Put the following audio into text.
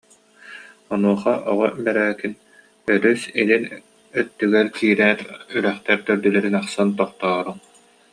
Онуоха Оҕо Бэрээкин: «Өрүс илин өттүнэн киирэр үрэхтэр төрдүлэрин ахсын тохтооруҥ»